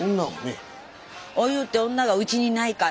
「お夕って女がうちにいないか？」